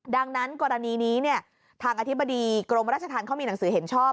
ดังนั้นกรณีนี้ทางอธิบดีกรมราชธรรมเขามีหนังสือเห็นชอบ